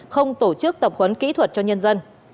không tổ chức tập huấn kỹ thuật cho nhân dân